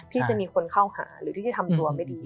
ที่จะมีคนเข้าหาว่าหรือถ้าทำตัวไปดี